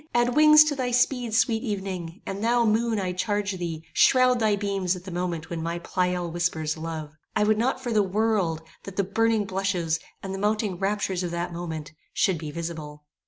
Add wings to thy speed, sweet evening; and thou, moon, I charge thee, shroud thy beams at the moment when my Pleyel whispers love. I would not for the world, that the burning blushes, and the mounting raptures of that moment, should be visible.